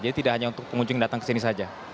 jadi tidak hanya untuk pengunjung yang datang ke sini saja